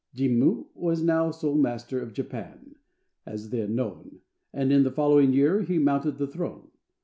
Jimmu was now sole master of Japan, as then known, and in the following year he mounted the throne.